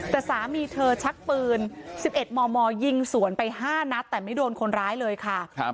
แต่สามีเธอชักปืน๑๑มมยิงสวนไป๕นัดแต่ไม่โดนคนร้ายเลยค่ะ